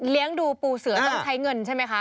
ดูปูเสือต้องใช้เงินใช่ไหมคะ